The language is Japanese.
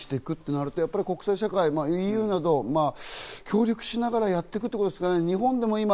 それをどういうふうにしていくとなると国際社会、ＥＵなど協力しながらやっていくということですかね。